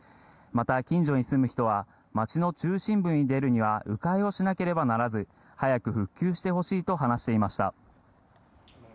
また、近所に住む人は町の中心部に出るには迂回をしなければならず早く復旧してほしいと話していました。